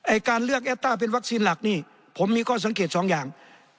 การเลือกแอตต้าเป็นวัคซีนหลักนี่ผมมีข้อสังเกตสองอย่าง